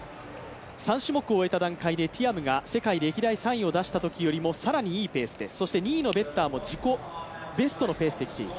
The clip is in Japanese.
３種目を終えた段階でティアムのが世界歴代３位を出したときよりも非常にいいペース、そして２位のベッターも自己ベストのペースで来ている